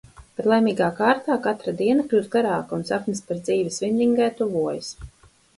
Bet laimīgā kārtā katra diena kļūst garāka un sapnis par dzīvi Svinningē tuvojas.